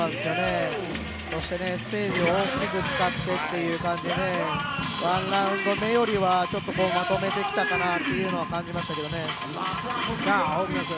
そしてステージを大きく使ってっていう感じでねワンラウンド目よりは、まとめてきたかなっていうのは感じましたね。